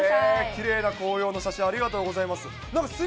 きれいな紅葉の写真、ありがとうございます。